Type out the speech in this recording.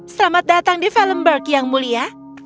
selamat datang di filmberg yang mulia